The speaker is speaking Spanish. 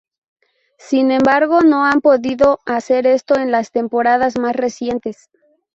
Sin embargo, no han podido hacer esto en las temporadas más recientes.